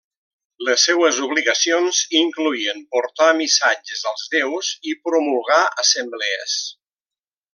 Les seues obligacions incloïen portar missatges als déus i promulgar assemblees.